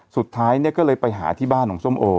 สุดท้ายเนี่ยก็เลยไปหาที่บ้านของส้มโอ